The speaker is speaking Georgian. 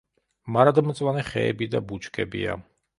მარადმწვანე ხეები და ბუჩქებია.